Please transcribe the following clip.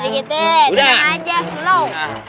nanti kita tinggal aja